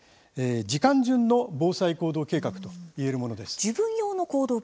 時間順の防災行動計画というものです。